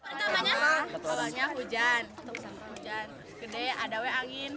proses perbaikan ruangan segera dilakukan